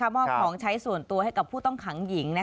มอบของใช้ส่วนตัวให้กับผู้ต้องขังหญิง